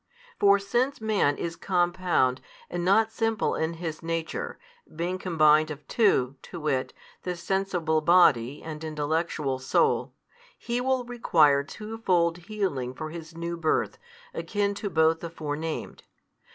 For since man is compound, and not simple in his nature, being combined of two, to wit, the sensible body and intellectual soul, he will require two fold healing for his new birth akin to both the fore named.